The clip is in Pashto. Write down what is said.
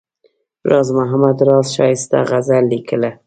راز محمد راز ښایسته غزل لیکله.